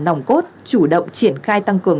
nòng cốt chủ động triển khai tăng cường